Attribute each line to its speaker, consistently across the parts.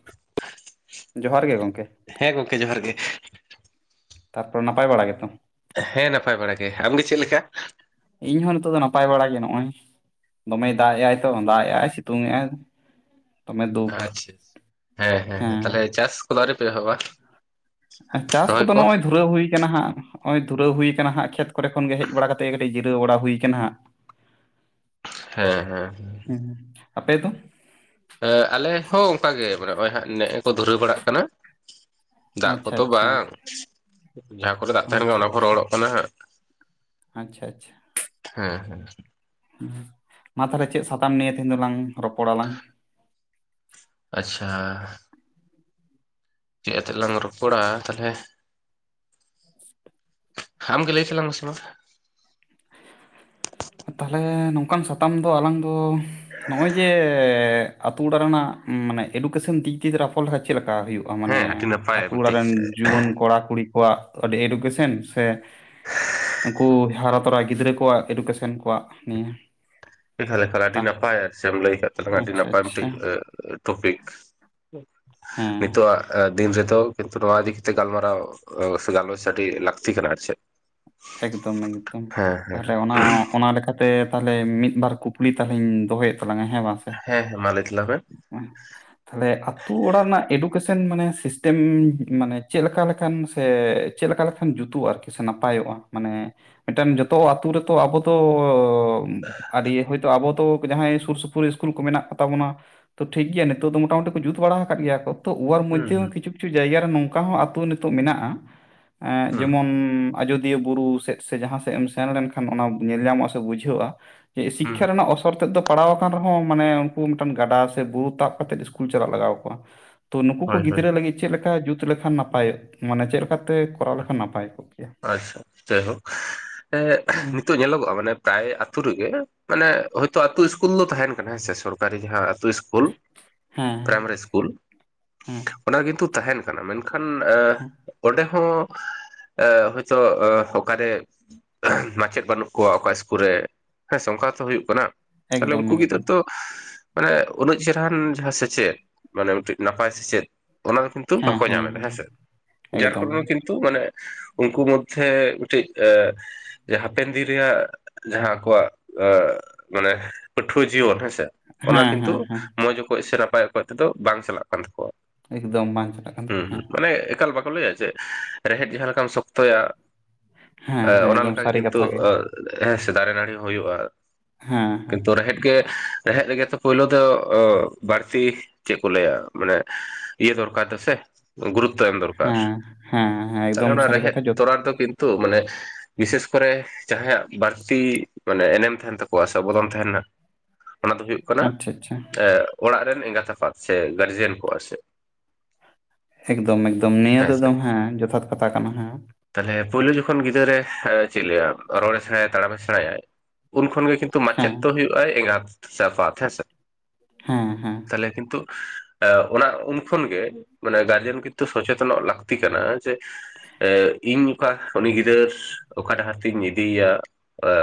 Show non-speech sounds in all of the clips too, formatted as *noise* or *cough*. Speaker 1: *inaudible*
Speaker 2: ᱡᱚᱦᱟᱨ ᱜᱮ ᱜᱚᱢᱠᱮ
Speaker 1: ᱦᱮᱸ ᱜᱚᱢᱠᱮ ᱡᱚᱦᱟᱨ ᱜᱮ
Speaker 2: ᱛᱟᱨᱯᱚᱨᱮ ᱱᱟᱯᱟᱭ ᱵᱟᱲᱟ ᱜᱮᱛᱚ
Speaker 1: ᱦᱮᱸ ᱱᱟᱯᱟᱭ ᱵᱟᱲᱟ ᱜᱮ ᱟᱢᱜᱮ ᱪᱮᱫ ᱞᱮᱠᱟ
Speaker 2: ᱤᱧ ᱦᱚᱸ ᱱᱤᱛᱚᱜ ᱫᱚ ᱱᱟᱯᱟᱭ ᱵᱟᱲᱟ ᱜᱮ ᱱᱚᱜᱼᱚᱭ ᱫᱚᱢᱮ ᱫᱟᱜ ᱮᱼ ᱟᱭ ᱛᱚ ᱫᱟᱜ ᱮᱜᱼᱟᱭ ᱥᱤᱛᱩᱝᱮᱜᱼ ᱟᱭ
Speaker 1: ᱟᱪᱪᱷᱟ ᱦᱮᱸ ᱦᱮᱸ ᱛᱟᱦᱞᱮ ᱪᱟᱥ ᱠᱚᱫᱚ ᱟᱹᱣᱨᱤ ᱯᱮ ᱮᱦᱚᱵᱼᱟ
Speaker 2: ᱪᱟᱥ ᱠᱚᱫᱚ ᱱᱚᱜᱼᱚᱭ ᱫᱷᱩᱨᱟᱹᱣ ᱦᱩᱭ ᱠᱟᱱᱟ ᱦᱟᱸᱜ ᱾ ᱱᱚᱜᱼᱚᱭ ᱫᱷᱩᱨᱟᱹᱣ ᱦᱩᱭ ᱟᱠᱟᱱᱟ ᱦᱟᱸᱜ ᱠᱷᱮᱛ ᱠᱚᱨᱮ ᱠᱷᱚᱱ ᱜᱮ ᱦᱮᱡ ᱵᱟᱲᱟ ᱠᱟᱛᱮ ᱜᱮ ᱠᱟᱹᱴᱤᱡ ᱡᱤᱨᱟᱹᱣ ᱵᱟᱲᱟ ᱦᱩᱭ ᱟᱠᱟᱱᱟ ᱦᱟᱸᱜ᱾
Speaker 1: ᱦᱮᱸ ᱦᱮᱸ
Speaker 2: ᱦᱮᱸ ᱟᱯᱮ ᱫᱚ
Speaker 1: ᱮ ᱟᱞᱮ ᱦᱚᱸ ᱚᱱᱠᱟ ᱜᱮ ᱢᱟᱱᱮ ᱱᱚᱜ ᱚᱭ ᱦᱟᱸᱜ ᱱᱮᱜ ᱮ ᱠᱚ ᱫᱷᱩᱨᱟᱹᱣ ᱵᱟᱲᱟᱜ ᱠᱟᱱᱟ᱾ ᱫᱟᱜ
Speaker 2: ᱟᱪᱪᱷᱟ
Speaker 1: ᱠᱚᱛᱚ
Speaker 2: ᱟᱪᱪᱷᱟ
Speaker 1: ᱵᱟᱝ ᱡᱟᱦᱟᱸ ᱠᱚᱨᱮ ᱫᱟᱜ ᱛᱟᱦᱮᱱ ᱠᱟᱱᱟ
Speaker 2: ᱟᱪᱪᱷᱟ
Speaker 1: ᱚᱱᱟ ᱠᱚ
Speaker 2: ᱟᱪᱪᱷᱟ
Speaker 1: ᱨᱚᱦᱚᱲᱚᱜ ᱠᱟᱱᱟ ᱦᱟᱸᱜ᱾
Speaker 2: ᱟᱪᱪᱷᱟ ᱟᱪᱪᱷᱟ
Speaker 1: ᱦᱩᱸ ᱦᱩᱸ
Speaker 2: ᱦᱚᱸ ᱢᱟ ᱛᱟᱦᱚᱞᱮ ᱪᱮᱫ ᱥᱟᱛᱟᱢ ᱱᱤᱭᱮ ᱛᱮᱦᱮᱧ ᱫᱚᱞᱟᱝ ᱨᱚᱯᱚᱲᱟᱞᱟᱝ
Speaker 1: ᱟᱪᱪᱷᱟ ᱪᱮᱫ ᱟᱛᱮᱞᱟᱝ ᱨᱚᱯᱚᱲᱟ ᱛᱟᱞᱦᱮ ᱟᱢ ᱜᱮ ᱞᱟᱹᱭ ᱛᱟᱞᱟᱝ ᱢᱮ ᱥᱮ ᱢᱟ᱾
Speaker 2: ᱛᱟᱦᱚᱞᱮ ᱱᱚᱝᱠᱟᱱ ᱥᱟᱛᱟᱢ ᱫᱚ ᱟᱞᱟᱝ ᱫᱚ ᱱᱚᱜᱼᱚᱭ ᱡᱮ ᱟᱛᱳ ᱚᱲᱟᱜ ᱨᱮᱱᱟᱜ ᱢᱟᱱᱮ ᱮᱰᱩᱠᱮᱥᱚᱱ ᱫᱤᱠ ᱫᱤᱭᱮ ᱨᱟᱯᱚᱲ ᱞᱮᱠᱟ ᱪᱮᱫ ᱞᱮᱠᱟ ᱦᱩᱭᱩᱜᱼᱟ? ᱢᱟᱱᱮ
Speaker 1: ᱦᱮᱸ ᱟᱹᱰᱤ ᱱᱟᱯᱟᱭ
Speaker 2: ᱟᱹᱛᱩ ᱚᱲᱟᱜ
Speaker 1: ᱢᱤᱫᱴᱤᱡ
Speaker 2: ᱨᱮᱱ ᱡᱩᱣᱟᱹᱱ ᱠᱚᱲᱟ ᱠᱩᱲᱤ ᱠᱚᱣᱟᱜ ᱟᱹᱰᱤ ᱮᱰᱩᱠᱮᱥᱚᱱ ᱥᱮ ᱩᱱᱠᱩ ᱦᱟᱨᱟ ᱛᱚᱨᱟ ᱜᱤᱫᱽᱨᱟᱹ ᱠᱚᱣᱟᱜ ᱮᱰᱩᱠᱮᱥᱚᱱ ᱥᱮᱱ ᱠᱚᱣᱟᱜ ᱱᱤᱭᱟᱹ
Speaker 1: ᱮ ᱛᱟᱦᱞᱮ ᱠᱷᱟᱱ ᱟᱹᱰᱤ
Speaker 2: ᱛᱟ
Speaker 1: ᱱᱟᱯᱟᱭ ᱟᱨ ᱪᱮᱢ ᱞᱟᱹᱭ ᱟᱠᱟᱫ ᱛᱟᱞᱟᱝᱟ ᱟᱹᱰᱤ
Speaker 2: ᱟᱪᱪᱷᱟ
Speaker 1: ᱱᱟᱯᱟᱭ
Speaker 2: ᱟᱪᱪᱷᱟ
Speaker 1: ᱢᱤᱫᱴᱤᱡ ᱴᱚᱯᱤᱠ᱾ ᱱᱤᱛᱚᱜ
Speaker 2: ᱦᱮᱸ
Speaker 1: ᱟ ᱫᱤᱱ ᱨᱮᱫᱚ ᱠᱤᱱᱛᱩ ᱱᱚᱣᱟ ᱤᱫᱤ ᱠᱟᱛᱮ ᱜᱟᱞᱢᱟᱨᱟᱣ ᱥᱮ ᱜᱟᱞᱚᱪ ᱟᱹᱰᱤ ᱞᱟᱹᱠᱛᱤ ᱠᱟᱱᱟ ᱟᱨ ᱪᱮᱫ
Speaker 2: ᱮᱠᱫᱚᱢ ᱮᱠᱫᱚᱢ
Speaker 1: ᱦᱮᱸ ᱦᱮᱸ
Speaker 2: ᱛᱟᱦᱚᱞᱮ ᱚᱱᱟ ᱚᱱᱟ ᱞᱮᱠᱟᱛᱮ ᱛᱟᱦᱚᱞᱮ ᱢᱤᱫ ᱵᱟᱨ ᱠᱩᱠᱞᱤ ᱛᱟᱦᱚᱞᱮᱧ ᱫᱚᱦᱚᱭᱮᱫ ᱛᱟᱞᱟᱝᱟ ᱦᱮᱸ ᱵᱟᱝ᱾
Speaker 1: ᱦᱮᱸ ᱦᱮᱸ ᱢᱟ ᱞᱟᱹᱭ ᱛᱟᱞᱟᱝ ᱢᱮ
Speaker 2: *unintelligible* ᱛᱟᱦᱞᱮ ᱟᱹᱛᱩ ᱚᱲᱟᱜ ᱨᱮᱱᱟᱜ ᱮᱰᱩᱠᱮᱥᱚᱱ ᱢᱟᱱᱮ ᱥᱤᱥᱴᱮᱢ ᱢᱟᱱᱮ ᱪᱮᱫᱞᱮᱠᱟ ᱞᱮᱠᱟᱱ ᱥᱮ ᱪᱮᱫ ᱞᱮᱠᱟ ᱞᱮᱠᱷᱟᱱ ᱡᱩᱛᱩᱜᱼᱟ ᱟᱨᱠᱤ ᱥᱮ ᱱᱟᱯᱟᱭᱚᱜᱼᱟ? ᱢᱟᱱᱮ ᱢᱤᱫᱴᱮᱱ ᱡᱚᱛᱚ ᱟᱛᱳ ᱨᱮᱛᱚ ᱟᱵᱚ ᱫᱚ ᱟᱹᱰᱤ ᱦᱩᱭ ᱟᱵᱚ ᱛᱚ ᱡᱟᱦᱟᱸᱭ ᱥᱩᱨ ᱥᱩᱯᱩᱨ ᱤᱥᱠᱩᱞ ᱠᱚ ᱢᱮᱱᱟᱜ ᱠᱚ ᱛᱟᱵᱚᱱᱟ ᱛᱚ ᱴᱷᱤᱠ ᱜᱮᱭᱟ ᱱᱤᱛᱚᱜ ᱫᱚ ᱢᱚᱴᱟ ᱢᱩᱴᱤ ᱠᱚ ᱡᱩᱛ ᱵᱟᱲᱟ ᱟᱠᱟᱫ ᱜᱮᱭᱟ ᱠᱚ ᱛᱚ ᱚᱣᱟᱨ
Speaker 1: ᱦᱩᱸ
Speaker 2: ᱢᱚᱫᱽᱫᱷᱮ
Speaker 1: ᱦᱩᱸ
Speaker 2: ᱠᱤᱪᱷᱩ ᱠᱤᱪᱷᱩ ᱡᱟᱭᱜᱟ ᱨᱮ ᱱᱚᱝᱠᱟ ᱦᱚᱸ ᱟᱛᱳ ᱱᱤᱛᱚᱜ ᱢᱮᱱᱟᱜᱼᱟ
Speaker 1: ᱦᱩᱸ
Speaker 2: ᱡᱮᱢᱚᱱ ᱟᱡᱚᱫᱤᱭᱟᱹ ᱵᱩᱨᱩ ᱥᱮᱫ ᱥᱮ ᱡᱟᱦᱟᱸ ᱥᱮᱫ ᱮᱢ ᱥᱮᱱ ᱞᱮᱱᱠᱷᱟᱱ ᱚᱱᱟ ᱧᱮᱞ ᱧᱟᱢᱚᱜᱼᱟ ᱥᱮ ᱵᱩᱡᱷᱟᱹᱜᱼᱟ
Speaker 1: ᱦᱩᱸ
Speaker 2: ᱥᱤᱠᱠᱷᱟ ᱨᱮᱱᱟᱜ ᱚᱥᱚᱨ ᱛᱮᱫ ᱫᱚ ᱯᱟᱲᱟᱣ ᱟᱠᱟᱱ ᱨᱮᱦᱚᱸ ᱢᱟᱱᱮ ᱩᱱᱠᱩ ᱢᱤᱫᱴᱟᱱ ᱜᱟᱰᱟ ᱥᱮ ᱵᱩᱨᱩ ᱛᱟᱵ ᱠᱟᱛᱮᱫ ᱤᱥ ᱠᱩᱞ *unintelligible* ᱪᱟᱞᱟᱜ ᱞᱟᱜᱟᱣ ᱟᱠᱚᱣᱟ᱾ ᱛᱚ ᱱᱩᱠᱩ ᱠᱚ
Speaker 1: ᱦᱳᱭ ᱦᱳᱭ
Speaker 2: ᱜᱤᱫᱽᱨᱟᱹ ᱞᱟᱹᱜᱤᱫ ᱪᱮᱫ ᱞᱮᱠᱟ ᱡᱩᱛ ᱞᱮᱠᱷᱟᱱ ᱱᱟᱯᱟᱭᱚᱜ ᱢᱟᱱᱮ ᱪᱮᱫ ᱞᱮᱠᱟᱛᱮ ᱠᱚᱨᱟᱣ ᱞᱮᱠᱷᱟᱱ ᱱᱟᱯᱟᱭ ᱠᱚᱜ ᱠᱮᱭᱟ?
Speaker 1: ᱟᱪᱪᱷᱟ ᱡᱟᱭᱦᱳᱠ ᱮ
Speaker 2: ᱦᱮᱸ
Speaker 1: ᱱᱤᱛᱚᱜ ᱧᱮᱞᱚᱜᱚᱜᱼᱟ ᱢᱟᱱᱮ ᱯᱨᱟᱭ ᱟᱛᱳ ᱨᱮᱜᱮ ᱢᱟᱱᱮ ᱦᱳᱭᱛᱳ ᱟᱹᱛᱩ ᱤᱥᱠᱩᱞ ᱫᱚ ᱛᱟᱦᱮᱱ ᱠᱟᱱᱟ ᱦᱮᱸ ᱥᱮ ᱥᱚᱨᱠᱟᱨᱤ ᱡᱟᱦᱟᱸ ᱟᱹᱛᱩ ᱤᱥᱼᱼ ᱠᱩᱞ *unintelligible*
Speaker 2: ᱦᱮᱸ
Speaker 1: ᱯᱨᱟᱭᱢᱟᱨᱤ ᱤᱥᱠᱩᱞ
Speaker 2: ᱦᱮᱸ
Speaker 1: ᱚᱱᱟ ᱠᱤᱱᱛᱩ ᱛᱟᱦᱮᱱ ᱢᱮᱱᱠᱷᱟᱱ
Speaker 2: ᱦᱮᱸ
Speaker 1: ᱚᱸᱰᱮ ᱦᱚᱸ ᱦᱳᱭᱛᱳ ᱚᱠᱟᱨᱮ ᱢᱟᱪᱮᱫ ᱵᱟᱹᱱᱩᱜ ᱠᱚᱣᱟ ᱚᱠᱟ ᱤᱥᱠᱩᱞ ᱨᱮ ᱦᱮᱸᱥᱮ ᱚᱱᱠᱟ ᱦᱚᱛᱚ ᱦᱩᱭᱩᱜ ᱠᱟᱱᱟ ᱛᱟᱦᱞᱮ
Speaker 2: ᱮᱠᱫᱚᱢ
Speaker 1: ᱩᱱᱠᱩ ᱜᱤᱫᱽᱨᱟᱹ
Speaker 2: ᱮᱠᱫᱚᱢ
Speaker 1: ᱫᱚ ᱢᱟᱱᱮ ᱩᱱᱟᱹᱜ ᱪᱮᱨᱦᱨᱟ ᱡᱟᱦᱟᱸ ᱥᱮᱪᱮᱫ ᱢᱟᱱᱮ ᱢᱤᱫᱴᱮᱱ ᱱᱟᱯᱟᱭ ᱥᱮᱪᱮᱫ ᱚᱱᱟ ᱫᱚ ᱠᱤᱱᱛᱩ
Speaker 2: ᱦᱮᱸ
Speaker 1: ᱵᱟᱠᱚ
Speaker 2: ᱦᱮᱸ
Speaker 1: ᱧᱟᱢ ᱮᱫᱟ
Speaker 2: ᱦᱮᱸ
Speaker 1: ᱦᱮᱸᱥᱮ ᱡᱟᱨ
Speaker 2: ᱮᱠᱫᱚᱢ
Speaker 1: ᱠᱟᱨᱚᱱ ᱠᱤᱱᱛᱩ ᱢᱟᱱᱮ ᱩᱱᱠᱩ ᱢᱚᱫᱽᱫᱷᱮ ᱢᱤᱫᱴᱤᱡ ᱮ ᱡᱮ ᱦᱟᱯᱮᱱ ᱫᱤᱱ ᱨᱮᱭᱟᱜ ᱡᱟᱦᱟᱸ ᱟᱠᱚᱣᱟᱜ ᱢᱟᱱᱮ ᱯᱟᱹᱴᱷᱩᱣᱟᱹ ᱡᱤᱭᱚᱱ ᱦᱮᱸᱥᱮ ᱚᱱᱟ
Speaker 2: ᱦᱮᱸ
Speaker 1: ᱠᱤᱱᱛᱩ
Speaker 2: ᱦᱮᱸ ᱦᱮᱸ
Speaker 1: ᱢᱚᱸᱡᱽ ᱚᱠᱚᱡ ᱥᱮ ᱱᱟᱯᱟᱭ ᱚᱠᱚᱡ ᱛᱮᱫᱚ ᱵᱟᱝ ᱪᱟᱞᱟᱜ ᱠᱟᱱ ᱛᱟᱠᱚᱣᱟ᱾
Speaker 2: ᱮᱠᱫᱚᱢ ᱵᱟᱝ ᱪᱟᱞᱟᱜ ᱠᱟᱱ ᱛᱟᱵᱚᱱᱟ
Speaker 1: ᱦᱩᱸ,
Speaker 2: ᱦᱮᱸ
Speaker 1: ᱢᱟᱱᱮ ᱮᱠᱟᱞ ᱵᱟᱠᱚ ᱞᱟᱹᱭᱟ ᱡᱮ ᱨᱮᱦᱮᱫ ᱡᱟᱦᱟᱸ ᱞᱮᱠᱟᱢ ᱥᱚᱠᱛᱚᱭᱟ,
Speaker 2: ᱦᱮᱸ ᱦᱮᱸ
Speaker 1: ᱚᱱᱟ
Speaker 2: ᱮᱠᱫᱚᱢ
Speaker 1: ᱞᱮᱠᱟ ᱜᱮ
Speaker 2: ᱥᱟᱹᱨᱤ
Speaker 1: ᱠᱤᱱᱛᱩ
Speaker 2: ᱠᱟᱛᱷᱟ
Speaker 1: ᱦᱮᱸ ᱥᱮ ᱫᱟᱨᱮ ᱱᱟᱹᱲᱤ ᱦᱚᱸ ᱦᱩᱭᱩᱜᱼᱟ᱾
Speaker 2: ᱦᱮᱸ ᱦᱮᱸ
Speaker 1: ᱠᱤᱱᱛᱩ ᱨᱮᱦᱮᱫ ᱜᱮ ᱨᱮᱦᱮᱫ ᱨᱮᱜᱮ ᱛᱚ ᱯᱩᱭᱞᱩ ᱫᱚ ᱵᱟᱹᱲᱛᱤ ᱪᱮᱜ ᱠᱚ ᱞᱟᱹᱭᱟ, ᱢᱟᱱᱮ ᱤᱭᱟᱹ ᱫᱚᱨᱠᱟᱨ ᱫᱚ ᱥᱮ ᱜᱩᱨᱩᱛᱛᱚ ᱮᱢ ᱫᱚᱨᱠᱟᱨ,
Speaker 2: ᱦᱮᱸ ᱦᱮᱸ ᱦᱮᱸ
Speaker 1: ᱛᱟᱦᱚᱞᱮ
Speaker 2: ᱮᱠᱫᱚᱢ
Speaker 1: ᱚᱱᱟ
Speaker 2: ᱥᱟᱹᱨᱤ
Speaker 1: ᱨᱮᱦᱮᱫ
Speaker 2: ᱠᱟᱛᱷᱟ ᱡᱚᱛ
Speaker 1: ᱛᱚᱨᱟ ᱫᱚ ᱠᱤᱱᱛᱩ ᱢᱟᱱᱮ ᱵᱤᱥᱮᱥ ᱠᱚᱨᱮ ᱡᱟᱦᱟᱸᱭᱟᱜ ᱵᱟᱹᱲᱛᱤ ᱢᱟᱱᱮ ᱮᱱᱮᱢ ᱛᱟᱦᱮᱸᱱ ᱛᱟᱠᱚᱣᱟ ᱥᱮ ᱚᱵᱚᱫᱚᱱ ᱛᱟᱦᱮᱸᱱᱟ᱾ ᱚᱱᱟ ᱫᱚ ᱦᱩᱭᱩᱜ ᱠᱟᱱᱟ,
Speaker 2: ᱟᱪᱪᱷᱟ ᱟᱪᱪᱷᱟ
Speaker 1: ᱚᱲᱟᱜ ᱨᱮᱱ ᱮᱸᱜᱟᱛ ᱟᱯᱟᱛ ᱥᱮ ᱜᱟᱨᱡᱮᱱ ᱠᱚᱣᱟᱜ ᱥᱮ᱾
Speaker 2: ᱮᱠᱫᱚᱢ ᱮᱠᱫᱚᱢ ᱱᱤᱭᱟᱹ
Speaker 1: ᱦᱮᱸ
Speaker 2: ᱫᱚ ᱮᱠᱫᱚᱢ ᱦᱮᱸ ᱡᱚᱛᱷᱟᱛ ᱠᱟᱛᱷᱟ ᱠᱟᱱᱟ ᱦᱮᱸ,
Speaker 1: ᱛᱟᱦᱞᱮ ᱯᱳᱭᱞᱳ ᱡᱚᱠᱷᱚᱱ ᱜᱤᱫᱟᱹᱨ ᱮ ᱪᱮᱫ ᱞᱟᱹᱭᱟ ᱨᱚᱲ ᱮ ᱥᱮᱬᱟᱭᱟ ᱛᱟᱲᱟᱢᱮ ᱥᱮᱬᱟᱭᱟᱭ, ᱩᱱ ᱠᱷᱚᱱᱜᱮ ᱠᱤᱱᱛᱩ ᱢᱟᱪᱮᱫ
Speaker 2: ᱦᱮᱸ
Speaker 1: ᱫᱚ ᱦᱩᱭᱩᱜᱼᱟᱭ ᱮᱸᱜᱟᱛ ᱥᱮ ᱟᱯᱟᱛ ᱦᱮᱸᱥᱮ᱾
Speaker 2: ᱦᱩᱸ ᱦᱩᱸ
Speaker 1: ᱛᱟᱦᱞᱮ ᱠᱤᱱᱛᱩ ᱮ ᱚᱱᱟ, ᱩᱱ ᱠᱷᱚᱱ ᱜᱮ ᱢᱟᱱᱮ ᱜᱟᱨᱡᱮᱱ ᱠᱤᱱᱛᱩ ᱥᱚᱪᱮᱛᱚᱱᱚᱜ ᱞᱟᱹᱠᱛᱤ ᱠᱟᱱᱟ ᱡᱮ ᱮ ᱤᱧ ᱚᱠᱟ ᱩᱱᱤ ᱜᱤᱫᱟᱹᱨ ᱚᱠᱟ ᱰᱟᱦᱟᱨ ᱛᱤᱧ ᱤᱫᱤᱭᱮᱭᱟ᱾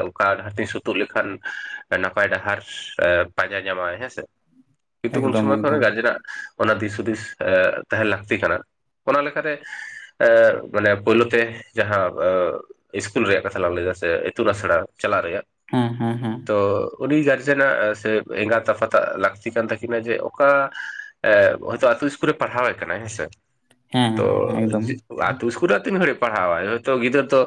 Speaker 1: ᱚᱠᱟ ᱰᱟᱦᱟᱨ ᱛᱤᱧ ᱥᱩᱛᱩᱜ ᱞᱮᱠᱷᱟᱱ, ᱱᱟᱯᱟᱭ ᱰᱟᱦᱟᱨ ᱯᱟᱸᱡᱟ ᱧᱟᱢᱚᱜᱟᱭ ᱦᱮᱸᱥᱮ᱾ ᱠᱤᱱᱛᱩ ᱩᱱ
Speaker 2: ᱮᱠᱫᱚᱢ
Speaker 1: ᱥᱚᱢᱚᱭ ᱠᱷᱚᱱ
Speaker 2: ᱮᱠᱫᱚᱢ
Speaker 1: ᱜᱟᱨᱡᱮᱱᱟᱜ ᱚᱱᱟ ᱫᱤᱥ ᱦᱩᱫᱤᱥ ᱛᱟᱦᱮᱸᱱ ᱞᱟᱹᱠᱛᱤ ᱠᱟᱱᱟ, ᱚᱱᱟ ᱞᱮᱠᱟᱛᱮ ᱢᱟᱱᱮ ᱯᱳᱭᱞᱳ ᱛᱮ ᱡᱟᱦᱟᱸ ᱤᱥᱠᱩᱞ ᱨᱮᱭᱟᱜ ᱠᱟᱛᱷᱟ ᱞᱟᱝ ᱞᱟᱹᱭᱮᱫᱟ ᱥᱮ ᱤᱛᱩᱱ ᱟᱥᱲᱟ ᱪᱟᱞᱟᱜ ᱨᱮᱭᱟᱜ
Speaker 2: ᱦᱩᱸ ᱦᱩᱸ ᱦᱩᱸ
Speaker 1: ᱛᱚ ᱩᱱᱤ ᱜᱟᱨᱡᱱᱟᱜ ᱥᱮ ᱮᱸᱜᱟᱛ ᱟᱯᱟᱛᱟᱜ ᱞᱟᱠᱛᱤ ᱠᱟᱱ ᱛᱟᱠᱤᱱᱟ ᱡᱮ ᱚᱠᱟ ᱮ ᱦᱚᱭᱛᱳ ᱟᱛᱳ ᱤᱥᱠᱩᱞ ᱨᱮ ᱯᱟᱲᱦᱟᱣ ᱮ ᱠᱟᱱᱟᱭ ᱦᱮᱸᱥᱮ,
Speaker 2: ᱦᱮᱸ
Speaker 1: ᱛᱚ
Speaker 2: ᱦᱮᱸ ᱮᱠᱫᱚᱢ
Speaker 1: *unintelligible* ᱛᱚ ᱤᱥᱠᱤᱞ ᱨᱮᱭᱟᱜ ᱛᱤᱱ ᱜᱷᱟᱹᱲᱤᱡ ᱯᱟᱲᱦᱟᱣᱟᱭ ᱦᱳᱭᱛᱚ ᱜᱤᱫᱟᱹᱨ ᱫᱚ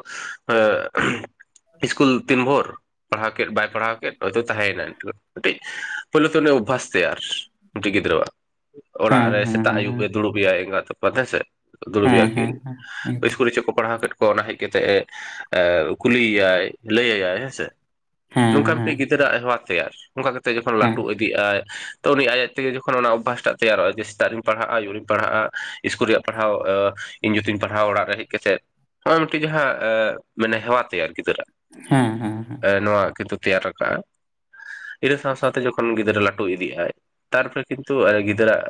Speaker 1: ᱤᱥᱠᱩᱞ ᱛᱤᱱ ᱵᱷᱳᱨ, ᱯᱟᱲᱦᱟᱣ ᱠᱮᱫ ᱵᱟᱭ ᱯᱟᱲᱦᱟᱣ ᱠᱮᱫ ᱦᱳᱭᱛᱳ ᱛᱟᱦᱮᱸᱱᱟᱭ, *unintelligible* ᱠᱟᱹᱴᱤᱡ ᱯᱳᱭᱞᱳ ᱛᱮ ᱱᱚᱜ-ᱚᱭ ᱚᱵᱷᱟᱥ ᱛᱟᱭᱟᱨ ᱢᱤᱫᱴᱮᱡ ᱜᱤᱫᱽᱨᱟᱹᱣᱟᱜ ᱚᱲᱟᱜ
Speaker 2: ᱦᱮᱸ
Speaker 1: ᱨᱮ
Speaker 2: ᱦᱮᱸ
Speaker 1: ᱥᱮᱛᱟᱜ
Speaker 2: ᱦᱮᱸ
Speaker 1: ᱟᱹᱭᱩᱵ ᱮ ᱫᱩᱲᱩᱵ ᱮᱭᱟᱭ ᱮᱸᱜᱟᱛ-ᱟᱯᱟᱛ ᱦᱮᱸᱥᱮ, ᱫᱩᱲᱩᱵᱮᱭᱟ
Speaker 2: ᱦᱮᱸ ᱦᱮᱸ
Speaker 1: ᱠᱤᱱ
Speaker 2: ᱦᱮᱸ ᱦᱮᱸ ᱦᱮᱸ
Speaker 1: ᱤᱥᱠᱩᱞ ᱨᱮ ᱪᱮᱫ ᱠᱚ ᱯᱟᱲᱦᱟᱣ ᱠᱮᱫ ᱠᱚᱣᱟ ᱚᱱᱟ ᱦᱮᱡ ᱠᱟᱛᱮᱜ ᱮ ᱠᱩᱞᱤᱭᱟᱭ ᱞᱟᱹᱭᱟᱭᱟᱭ ᱦᱮᱸᱥᱮ᱾ ᱱᱚᱝᱠᱟ ᱢᱤᱫᱴᱤᱡ ᱜᱤᱫᱽᱨᱟᱹ ᱟᱨᱦᱚᱸ ᱦᱟᱸᱜ ᱛᱮᱭᱟᱨ, ᱚᱱᱠᱟ ᱠᱟᱛᱮ‌ ᱡᱚᱠᱷᱚᱱ
Speaker 2: ᱦᱮᱸ
Speaker 1: ᱞᱟᱹᱴᱩ ᱤᱫᱤᱜ-ᱟᱭ ᱛᱚ ᱩᱱᱤ ᱟᱡ ᱟᱡ ᱛᱮᱜᱮ ᱡᱚᱠᱷᱚᱱ ᱚᱱᱟ ᱚᱵᱷᱟᱥᱴᱟᱜ ᱛᱮᱭᱟᱨᱚᱜ-ᱟ ᱡᱮ ᱥᱮᱛᱟᱜ ᱨᱮᱧ ᱯᱟᱲᱦᱟᱜ-ᱟ ᱟᱹᱭᱩᱩᱨᱤᱧ ᱯᱟᱲᱦᱟᱜ-ᱟ ᱤᱥᱠᱩᱞ ᱨᱮᱭᱟᱜ ᱯᱟᱲᱦᱟᱣ ᱤᱧ ᱭᱩ ᱛᱤᱧ ᱯᱟᱲᱦᱟᱣ ᱚᱲᱟᱜ ᱨᱮ ᱦᱮᱡ ᱠᱟᱛᱮ ᱱᱚᱜ-ᱚᱭ ᱢᱤᱫᱴᱮᱡ ᱡᱟᱦᱟᱸ ᱢᱟᱱᱮ ᱦᱮᱣᱟ ᱛᱟᱭᱟᱨ ᱜᱤᱫᱽᱨᱟ ᱟᱜ
Speaker 2: ᱦᱮᱸ ᱦᱮᱸ ᱦᱮᱸ
Speaker 1: ᱱᱚᱣᱟ ᱠᱤᱱᱛᱩ ᱛᱮᱭᱟᱨ ᱨᱟᱠᱟᱵᱟ, ᱤᱱᱟᱹ ᱥᱟᱶ ᱥᱟᱶᱛᱮ ᱡᱚᱠᱷᱚᱱ ᱜᱤᱫᱽᱨᱟᱹ ᱞᱟᱹᱴᱩ ᱤᱫᱤᱜ ᱟᱭ ᱛᱟᱨᱯᱚᱨᱮ ᱠᱤᱱᱛᱩ ᱜᱤᱫᱽᱨᱟᱜ